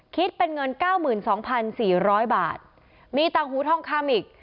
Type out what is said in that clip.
คิดเป็นเงินเก้าหมื่นสองพันสี่ร้อยบาทมีตังหูทองคำอีก